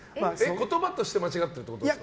言葉として間違ってるってことですか？